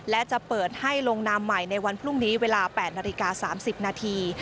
และจะเปิดให้ลงนามใหม่ในวันพรุ่งนี้เวลา๘นาฬิกา๓๐นาที